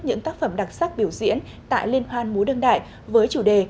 những tác phẩm đặc sắc biểu diễn tại liên hoan múa đương đại với chủ đề